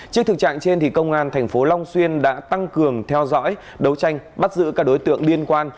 trước thực trạng trên công an thành phố long xuyên đã tăng cường theo dõi đấu tranh bắt giữ các đối tượng liên quan